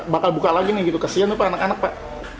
maka buka lagi nih kesian tuh anak anak pak